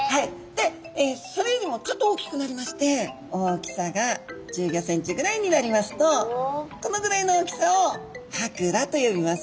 でそれよりもちょっと大きくなりまして大きさが１５センチぐらいになりますとこのぐらいの大きさをハクラと呼びます。